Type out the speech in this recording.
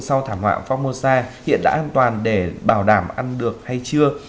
sau thảm họa formosa hiện đã an toàn để bảo đảm ăn được hay chưa